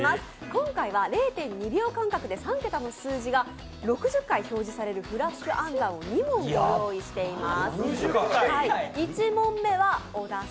今回は０．２秒間隔で３桁の数字が６０回表示されるフラッシュ暗算を２問用意しています。